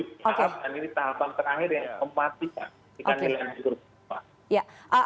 dan ini tahapan terakhir yang empatikan